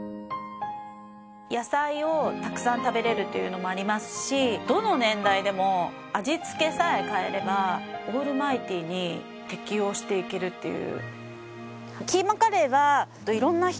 野菜をたくさん食べられるというのもありますしどの年代でも味付けさえ変えればオールマイティーに適応していけるっていう。